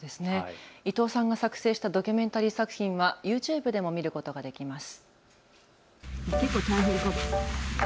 伊藤さんが作成したドキュメンタリー作品はＹｏｕＴｕｂｅでも見ることができます。